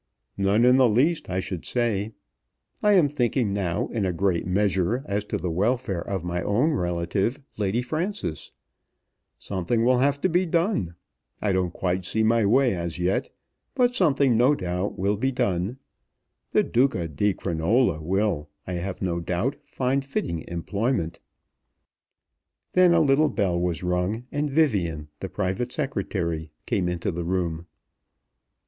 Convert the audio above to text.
"None in the least, I should say. I am thinking now in a great measure as to the welfare of my own relative, Lady Frances. Something will have to be done. I don't quite see my way as yet; but something, no doubt, will be done. The Duca di Crinola will, I have no doubt, find fitting employment." Then a little bell was rung, and Vivian, the private secretary, came into the room.